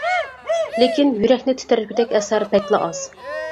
لېكىن يۈرەكنى تىترەتكۈدەك ئەسەر بەكلا ئاز.